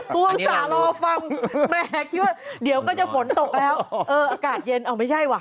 วงสระรอฟังแม่คิดว่าเดี๋ยวก็จะฝนตกแล้วเอออากาศเย็นอ้าวไม่ใช่ว่